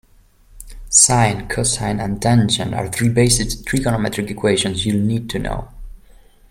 Sine, cosine and tangent are three basic trigonometric equations you'll need to know.